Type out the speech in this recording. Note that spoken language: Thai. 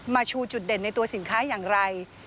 ชูจุดเด่นในตัวสินค้าอย่างไร